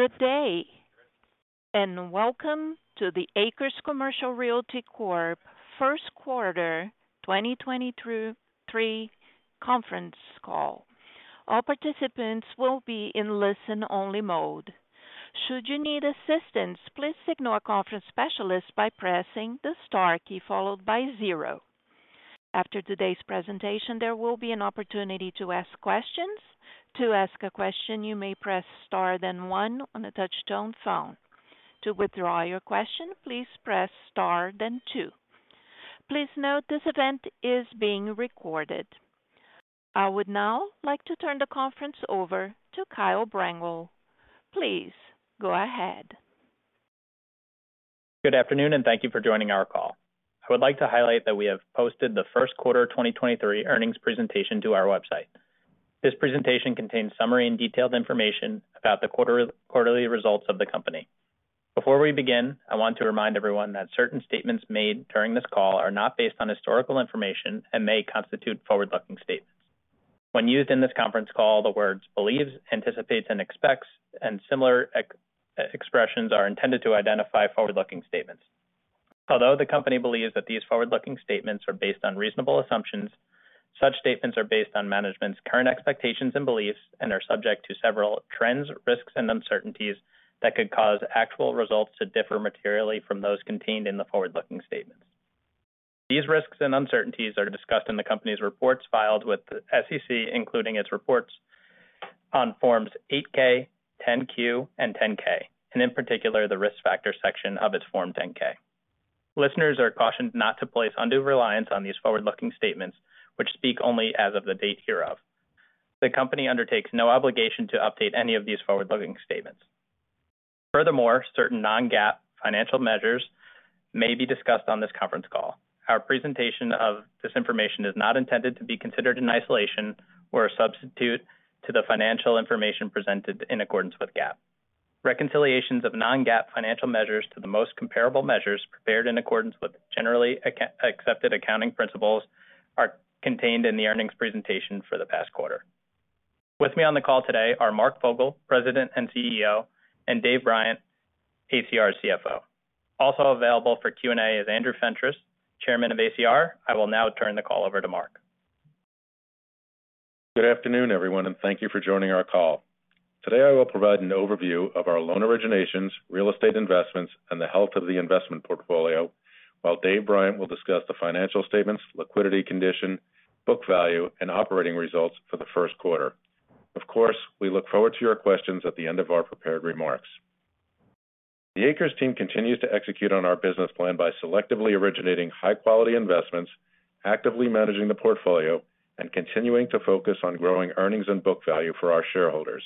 Good day, welcome to the ACRES Commercial Realty Corp. Q1 2022...2023 Conference Call. All participants will be in listen-only mode. Should you need assistance, please signal a conference specialist by pressing the star key followed by zero. After today's presentation, there will be an opportunity to ask questions. To ask a question, you may press Star then one on a touch-tone phone. To withdraw your question, please press Star then two. Please note this event is being recorded. I would now like to turn the conference over to Kyle Brengel. Please go ahead. Good afternoon. Thank you for joining our call. I would like to highlight that we have posted the Q1 2023 earnings presentation to our website. This presentation contains summary and detailed information about the quarter, quarterly results of the company. Before we begin, I want to remind everyone that certain statements made during this call are not based on historical information and may constitute forward-looking statements. When used in this conference call the words believes, anticipates, and expects, and similar expressions are intended to identify forward-looking statements. Although the company believes that these forward-looking statements are based on reasonable assumptions, such statements are based on management's current expectations and beliefs and are subject to several trends, risks, and uncertainties that could cause actual results to differ materially from those contained in the forward-looking statements. These risks and uncertainties are discussed in the company's reports filed with the SEC, including its reports on Forms 8-K, 10-Q, and 10-K, and in particular, the risk factor section of its Form 10-K. Listeners are cautioned not to place undue reliance on these forward-looking statements which speak only as of the date hereof. The company undertakes no obligation to update any of these forward-looking statements. Certain non-GAAP financial measures may be discussed on this conference call. Our presentation of this information is not intended to be considered in isolation or a substitute to the financial information presented in accordance with GAAP. Reconciliations of non-GAAP financial measures to the most comparable measures prepared in accordance with generally accepted accounting principles are contained in the earnings presentation for the past quarter. With me on the call today are Mark Fogel, President and CEO, and Dave Bryant, ACR CFO. Also available for Q&A is Andrew Fentress, Chairman of ACR. I will now turn the call over to Mark. Good afternoon, everyone, and thank you for joining our call. Today I will provide an overview of our loan originations, real estate investments, and the health of the investment portfolio, while David Bryant will discuss the financial statements, liquidity condition, book value, and operating results for the Q1. Of course, we look forward to your questions at the end of our prepared remarks. The ACRES team continues to execute on our business plan by selectively originating high-quality investments, actively managing the portfolio, and continuing to focus on growing earnings and book value for our shareholders.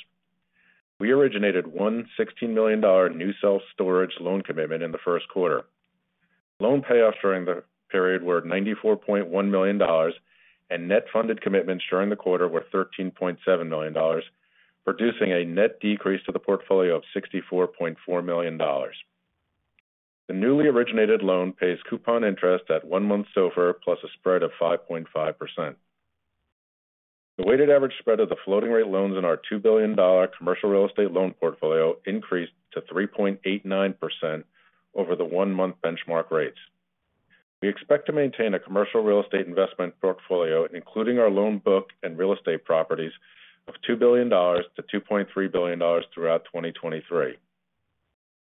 We originated a $116 million new self-storage loan commitment in the Q1. Loan payoffs during the period were $94.1 million, and net funded commitments during the quarter were $13.7 million, producing a net decrease to the portfolio of $64.4 million. The newly originated loan pays coupon interest at one month SOFR plus a spread of 5.5%. The weighted average spread of the floating rate loans in our $2 billion commercial real estate loan portfolio increased to 3.89% over the one-month benchmark rates. We expect to maintain a commercial real estate investment portfolio, including our loan book and real estate properties of $2 billion-$2.3 billion throughout 2023.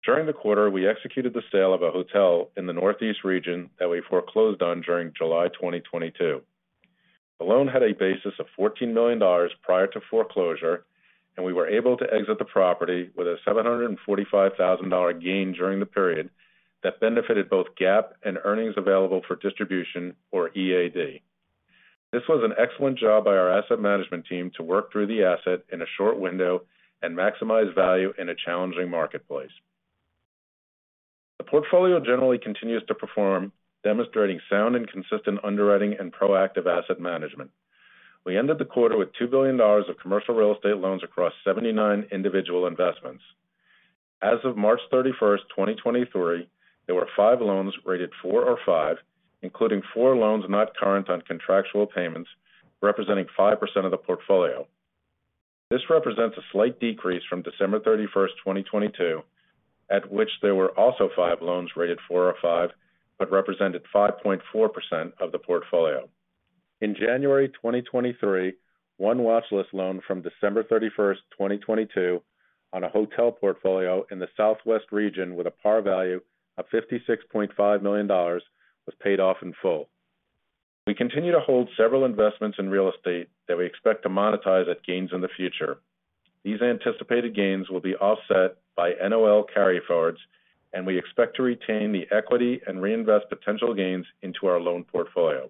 During the quarter, we executed the sale of a hotel in the northeast region that we foreclosed on during July 2022. The loan had a basis of $14 million prior to foreclosure, and we were able to exit the property with a $745,000 gain during the period that benefited both GAAP and earnings available for distribution or EAD. This was an excellent job by our asset management team to work through the asset in a short window and maximize value in a challenging marketplace. The portfolio generally continues to perform, demonstrating sound and consistent underwriting and proactive asset management. We ended the quarter with $2 billion of commercial real estate loans across 79 individual investments. As of March 31st, 2023, there were five loans rated four or five, including four loans not current on contractual payments, representing 5% of the portfolio. This represents a slight decrease from December 31st, 2022, at which there were also five loans rated four or five but represented 5.4% of the portfolio. In January 2023, one watch list loan from December 31, 2022 on a hotel portfolio in the southwest region with a par value of $56.5 million was paid off in full. We continue to hold several investments in real estate that we expect to monetize at gains in the future. These anticipated gains will be offset by NOL carryforwards. We expect to retain the equity and reinvest potential gains into our loan portfolio.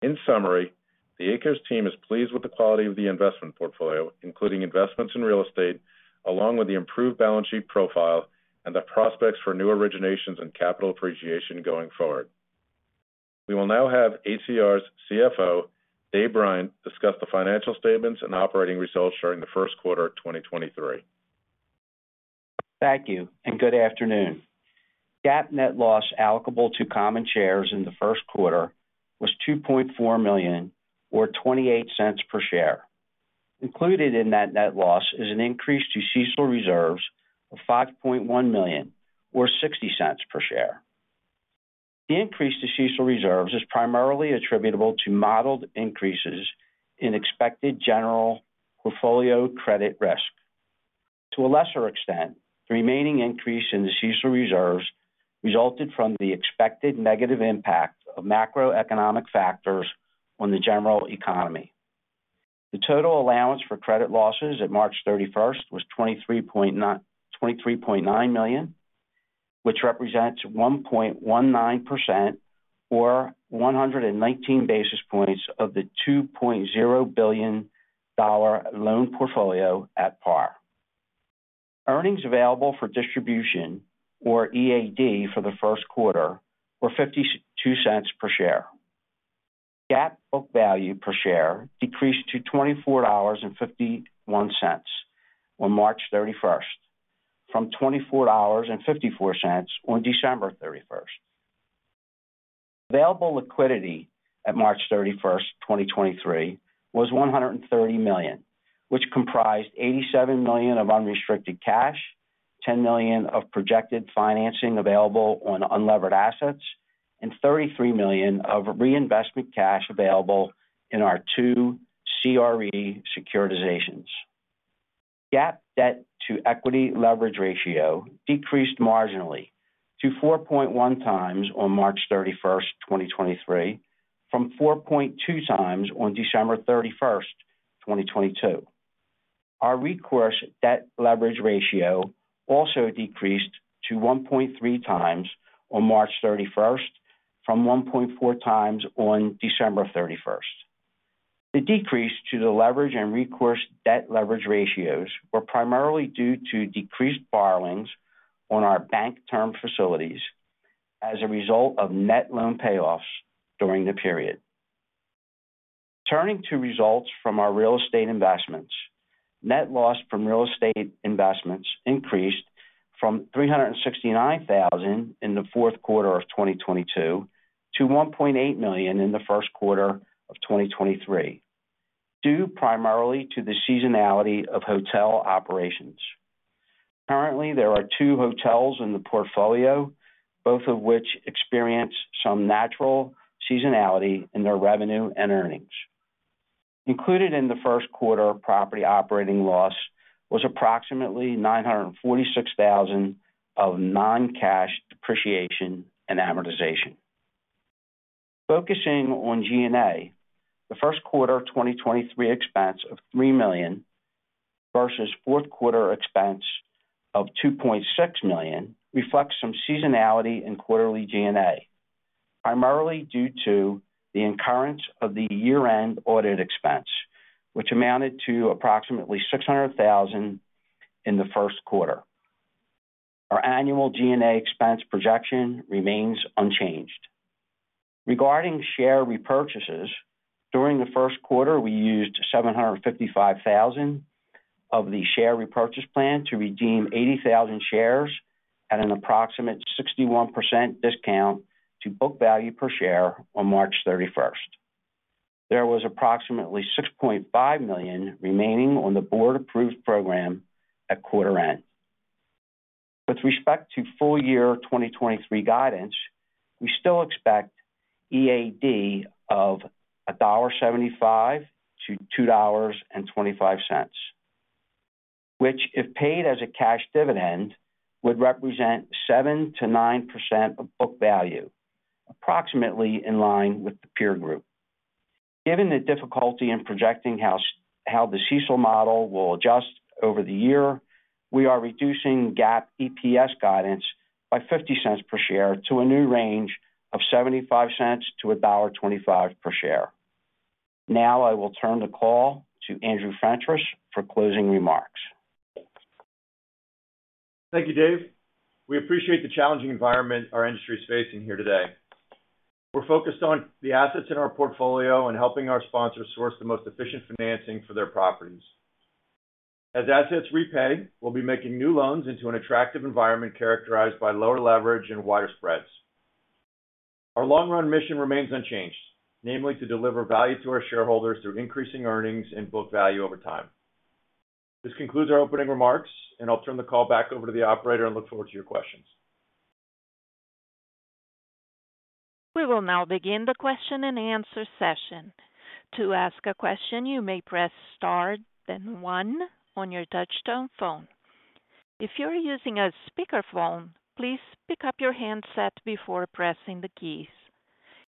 In summary, the ACRES team is pleased with the quality of the investment portfolio, including investments in real estate, along with the improved balance sheet profile and the prospects for new originations and capital appreciation going forward. We will now have ACR's CFO, David Bryant, discuss the financial statements and operating results during the Q1 of 2023. Thank you and good afternoon. GAAP net loss allocable to common shares in the Q1 was $2.4 million, or $0.28 per share. Included in that net loss is an increase to CECL reserves of $5.1 million, or $0.60 per share. The increase to CECL reserves is primarily attributable to modeled increases in expected general portfolio credit risk. To a lesser extent, the remaining increase in the CECL reserves resulted from the expected negative impact of macroeconomic factors on the general economy. The total allowance for credit losses at March 31st was $23.9 million, which represents 1.19% or 119 basis points of the $2.0 billion loan portfolio at par. Earnings available for distribution or EAD for the Q1 were $0.52 per share. GAAP book value per share decreased to $24.51 on March 31st from $24.54 on December 31st. Available liquidity at March 31st, 2023 was $130 million, which comprised $87 million of unrestricted cash, $10 million of projected financing available on unlevered assets, and $33 million of reinvestment cash available in our two CRE securitizations. GAAP debt to equity leverage ratio decreased marginally to 4.1 times on March 31st, 2023 from 4.2 times on December 31st, 2022. Our recourse debt leverage ratio also decreased to 1.3 times on March 31st from 1.4 times on December 31st. The decrease to the leverage and recourse debt leverage ratios were primarily due to decreased borrowings on our bank term facilities as a result of net loan payoffs during the period. Turning to results from our real estate investments. Net loss from real estate investments increased from $369,000 in the Q4 of 2022 to $1.8 million in the Q1 of 2023, due primarily to the seasonality of hotel operations. Currently, there are two hotels in the portfolio, both of which experience some natural seasonality in their revenue and earnings. Included in the Q1 property operating loss was approximately $946,000 of non-cash depreciation and amortization. Focusing on G&A, the Q1 2023 expense of $3 million versus fourth quarter expense of $2.6 million reflects some seasonality in quarterly G&A, primarily due to the incurrence of the year-end audit expense which amounted to approximately $600,000 in the Q1. Our annual G&A expense projection remains unchanged. Regarding share repurchases, during the Q1, we used $755,000 of the share repurchase plan to redeem 80,000 shares at an approximate 61% discount to book value per share on March 31st. There was approximately $6.5 million remaining on the board-approved program at quarter end. With respect to full year 2023 guidance, we still expect EAD of $1.75-$2.25, which, if paid as a cash dividend, would represent 7%-9% of book value, approximately in line with the peer group. Given the difficulty in projecting how the CECL model will adjust over the year, we are reducing GAAP EPS guidance by $0.50 per share to a new range of $0.75-$1.25 per share. I will turn the call to Andrew Fentress for closing remarks. Thank you, Dave. We appreciate the challenging environment our industry is facing here today. We're focused on the assets in our portfolio and helping our sponsors source the most efficient financing for their properties. As assets repay, we'll be making new loans into an attractive environment characterized by lower leverage and wider spreads. Our long-run mission remains unchanged, namely to deliver value to our shareholders through increasing earnings and book value over time. This concludes our opening remarks, and I'll turn the call back over to the operator and look forward to your questions. We will now begin the question and answer session. To ask a question, you may press star then one on your touchtone phone. If you're using a speakerphone, please pick up your handset before pressing the keys.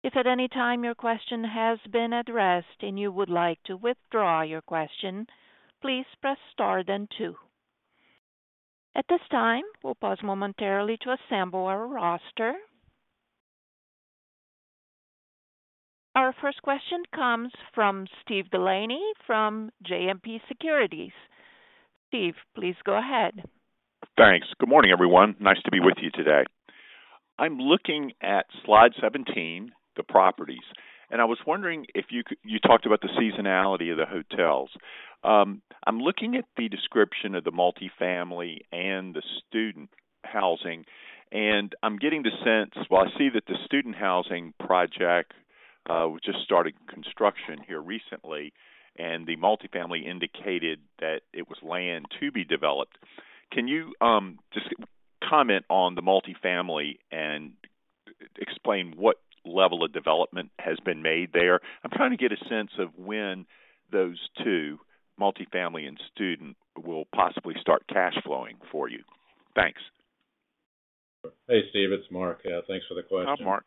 If at any time your question has been addressed and you would like to withdraw your question, please press star then two. At this time, we'll pause momentarily to assemble our roster. Our first question comes from Steve DeLaney from JMP Securities. Steve, please go ahead. Thanks. Good morning, everyone. Nice to be with you today. I'm looking at slide 17, the properties. I was wondering if you talked about the seasonality of the hotels. I'm looking at the description of the multifamily and the student housing, and I'm getting the sense. Well, I see that the student housing project just started construction here recently, and the multifamily indicated that it was land to be developed. Can you just comment on the multifamily and explain what level of development has been made there? I'm trying to get a sense of when those two, multifamily and student, will possibly start cash flowing for you. Thanks. Hey, Steve. It's Mark. Thanks for the question. Hi, Mark.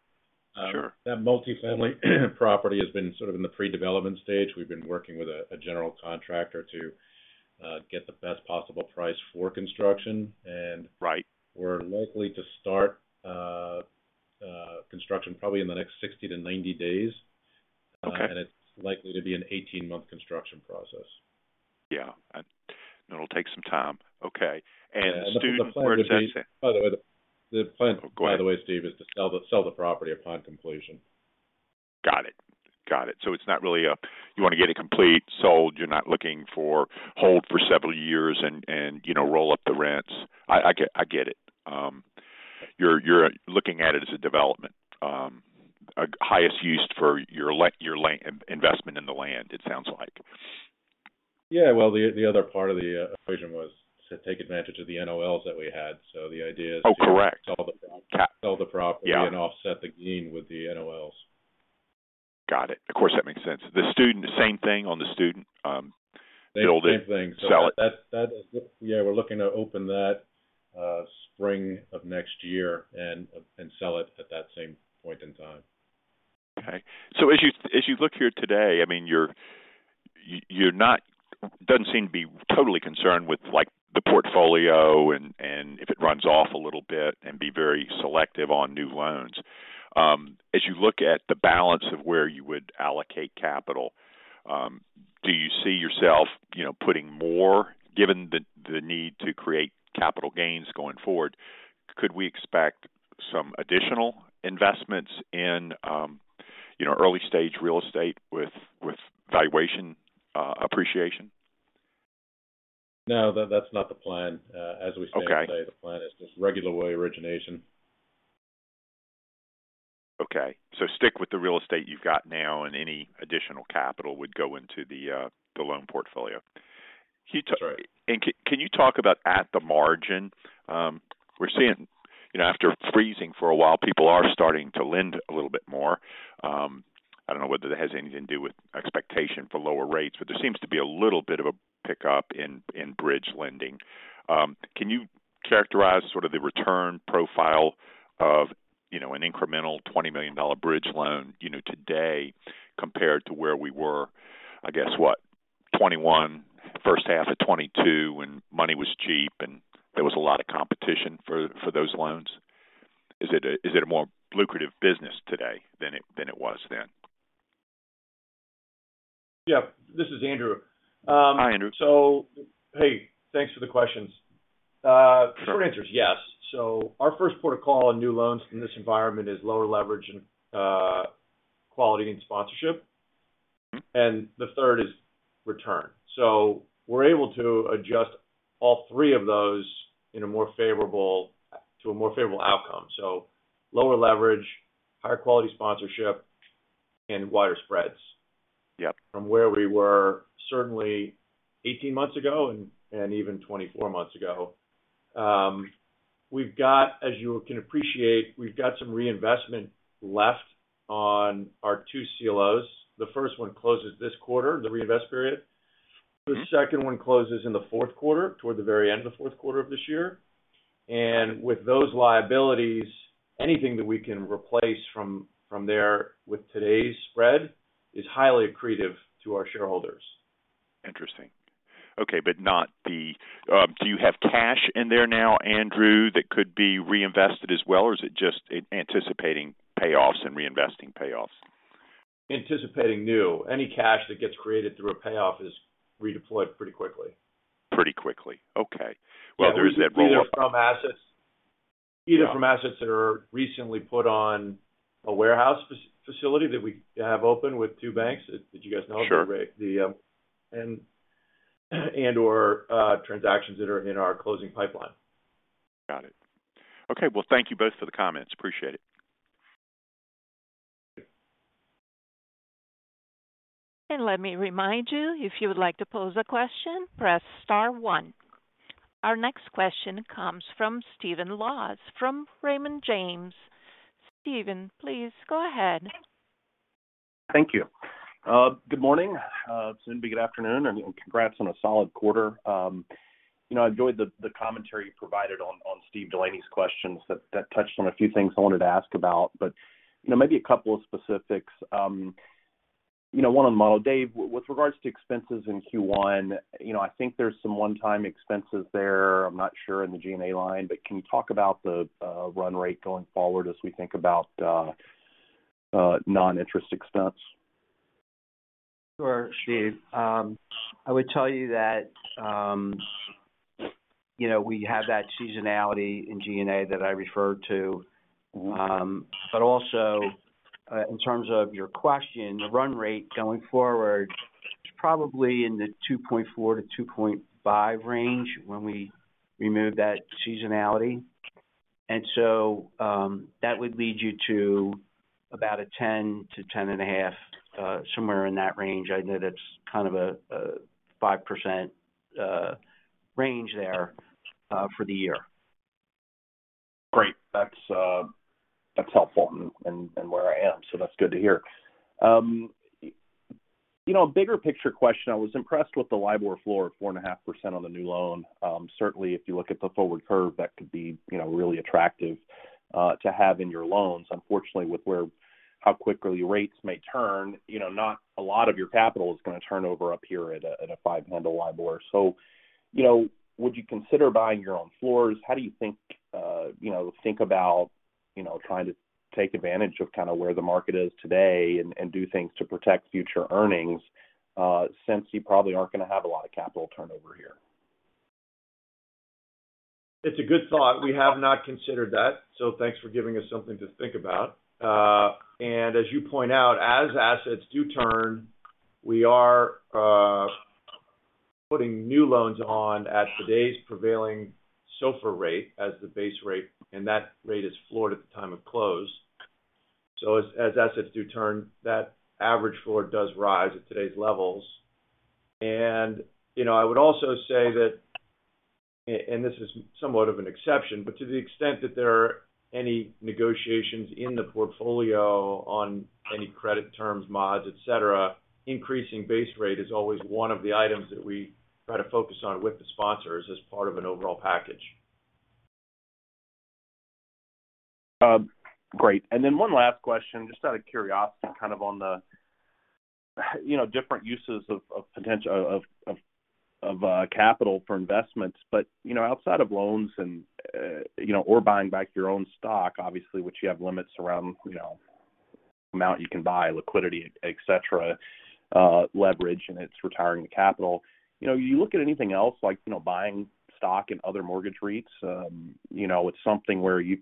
Sure. That multifamily property has been sort of in the pre-development stage. We've been working with a general contractor to get the best possible price for construction. Right... we're likely to start construction probably in the next 60 to 90 days. Okay. It's likely to be an 18-month construction process. Yeah. It'll take some time. Okay. The plan would be. Where is that set? By the way, the plan- Go ahead.... by the way, Steve, is to sell the property upon completion. Got it. It's not really a, you wanna get it complete, sold. You're not looking for hold for several years and, you know, roll up the rents. I get it. You're looking at it as a development. A highest use for your land investment in the land, it sounds like. Yeah. Well, the other part of the equation was to take advantage of the NOLs that we had. Oh, correct. sell the property. Yeah Offset the gain with the NOLs. Got it. Of course, that makes sense. Same thing on the student. Same thing.... sell it. That is. Yeah, we're looking to open that spring of next year and sell it at that same point in time. As you look here today, I mean, doesn't seem to be totally concerned with, like, the portfolio and if it runs off a little bit and be very selective on new loans. As you look at the balance of where you would allocate capital, do you see yourself, you know, putting more given the need to create capital gains going forward? Could we expect some additional investments in, you know, early-stage real estate with valuation appreciation? No, that's not the plan. Okay As we stand today, the plan is just regular way origination. Okay. Stick with the real estate you've got now and any additional capital would go into the loan portfolio. That's right. Can you talk about at the margin. Okay... we're seeing, you know, after freezing for a while, people are starting to lend a little bit more. I don't know whether that has anything to do with expectation for lower rates, but there seems to be a little bit of a pickup in bridge lending. Can you characterize sort of the return profile of, you know, an incremental $20 million bridge loan, you know, today compared to where we were, I guess, what? 2021, first half of 2022, when money was cheap and there was a lot of competition for those loans. Is it a more lucrative business today than it was then? Yeah. This is Andrew. Hi, Andrew. Hey, thanks for the questions. short answer is yes. our first port of call on new loans in this environment is lower leverage and, quality and sponsorship. Mm-hmm. The third is return. We're able to adjust all three of those to a more favorable outcome. Lower leverage, higher quality sponsorship, and wider spreads... Yeah... from where we were certainly 18 months ago and even 24 months ago. As you can appreciate, we've got some reinvestment left on our two CLOs. The first one closes this quarter, the reinvest period. The second one closes in the Q4, toward the very end of the Q4 of this year. With those liabilities, anything that we can replace from there with today's spread is highly accretive to our shareholders. Interesting. Okay, not the... do you have cash in there now, Andrew, that could be reinvested as well, or is it just anticipating payoffs and reinvesting payoffs? Anticipating new. Any cash that gets created through a payoff is redeployed pretty quickly. Pretty quickly. Okay. Well, there's that rollover- Yeah. Either from assets. Yeah. Either from assets that are recently put on a warehouse facility that we have open with two banks. Did you guys know? Sure. The, and or, transactions that are in our closing pipeline. Got it. Okay. Well, thank you both for the comments. Appreciate it. Thank you. Let me remind you, if you would like to pose a question, press star one. Our next question comes from Stephen Laws from Raymond James. Stephen, please go ahead. Thank you. Good morning. Soon to be good afternoon, and congrats on a solid quarter. You know, I enjoyed the commentary you provided on Steve DeLaney's questions that touched on a few things I wanted to ask about. You know, maybe a couple of specifics. You know, one of them, Dave, with regards to expenses in Q1, you know, I think there's some one-time expenses there, I'm not sure, in the G&A line, can you talk about the run rate going forward as we think about non-interest expense? Sure, Steve. I would tell you that, you know, we have that seasonality in G&A that I referred to. But also, in terms of your question, the run rate going forward is probably in the $2.4-$2.5 range when we remove that seasonality. That would lead you to about a $10-$10.5, somewhere in that range. I know that's kind of a 5% range there for the year. Great. That's, that's helpful and where I am, so that's good to hear. You know, bigger picture question. I was impressed with the LIBOR floor of 4.5% on the new loan. Certainly, if you look at the forward curve, that could be, you know, really attractive, to have in your loans. Unfortunately, with how quickly rates may turn, you know, not a lot of your capital is gonna turn over up here at a, at a five handle LIBOR. You know, would you consider buying your own floors? How do you think, you know, think about, you know, trying to take advantage of kinda where the market is today and do things to protect future earnings, since you probably aren't gonna have a lot of capital turnover here? It's a good thought. We have not considered that. Thanks for giving us something to think about. As you point out, as assets do turn, we are putting new loans on at today's prevailing SOFR rate as the base rate, and that rate is floored at the time of close. As assets do turn, that average floor does rise at today's levels. You know, I would also say that, and this is somewhat of an exception, but to the extent that there are any negotiations in the portfolio on any credit terms, mods, et cetera, increasing base rate is always one of the items that we try to focus on with the sponsors as part of an overall package. Great. One last question, just out of curiosity, kind of on the, you know, different uses of capital for investments. You know, outside of loans and, you know, or buying back your own stock, obviously, which you have limits around, you know, amount you can buy, liquidity, et cetera, leverage, and it's retiring the capital. You know, you look at anything else like, you know, buying stock and other mortgage REITs, you know, it's something where you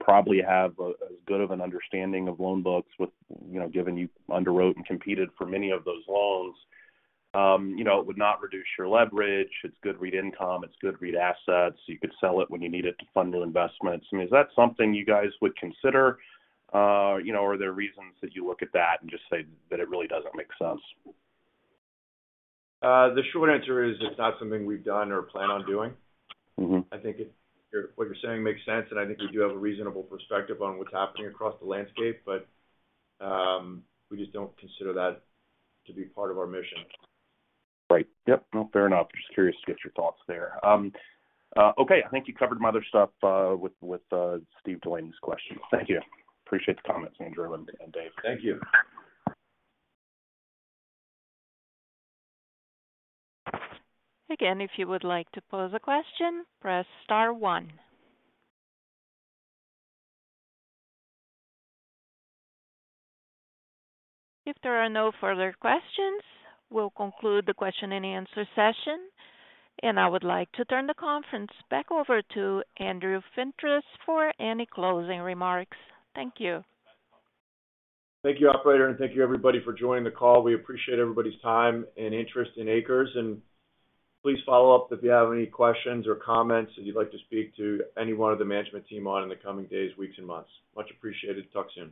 probably have a, as good of an understanding of loan books with, you know, given you underwrote and competed for many of those loans. You know, it would not reduce your leverage. It's good REIT income. It's good REIT assets. You could sell it when you need it to fund new investments. I mean, is that something you guys would consider? You know, are there reasons that you look at that and just say that it really doesn't make sense? The short answer is it's not something we've done or plan on doing. Mm-hmm. I think what you're saying makes sense, and I think we do have a reasonable perspective on what's happening across the landscape. We just don't consider that to be part of our mission. Right. Yep. No, fair enough. Just curious to get your thoughts there. Okay, I think you covered my other stuff, with Steve Delaney's question. Thank you. Appreciate the comments, Andrew and Dave. Thank you. Again, if you would like to pose a question, press star one. If there are no further questions, we'll conclude the question and answer session. I would like to turn the conference back over to Andrew Fentress for any closing remarks. Thank you. Thank you, operator. Thank you everybody for joining the call. We appreciate everybody's time and interest in ACRES. Please follow up if you have any questions or comments that you'd like to speak to any one of the management team on in the coming days, weeks, and months. Much appreciated. Talk soon.